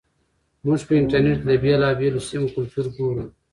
موږ په انټرنیټ کې د بېلابېلو سیمو کلتور ګورو.